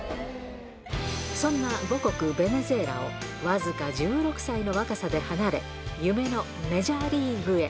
そんな母国、ベネズエラを僅か１６歳の若さで離れ、夢のメジャーリーグへ。